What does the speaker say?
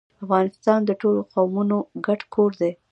افغانستان د ټولو قومونو ګډ کور دی.